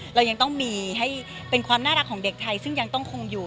เรายังต้องมีให้เป็นความน่ารักของเด็กไทยซึ่งยังต้องคงอยู่